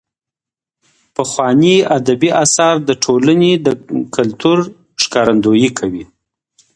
پخواني ادبي اثار د ټولني د کلتور ښکارندويي کوي.